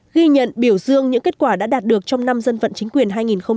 ghi nhận biểu dương những kết quả đã đạt được trong năm dân vận chính quyền hai nghìn một mươi chín